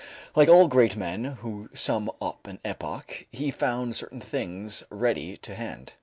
Like all great men who sum up an epoch, he found certain things ready to hand.